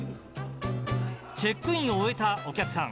チェックインを終えたお客さん。